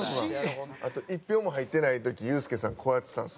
あと１票も入ってない時ユースケさん